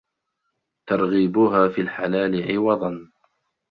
تَرْغِيبُهَا فِي الْحَلَالِ عِوَضًا